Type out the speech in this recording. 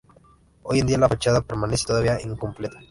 Hoy en día la fachada permanece todavía incompleta.